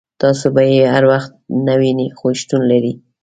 تاسو به یې هر وخت نه وینئ خو شتون لري.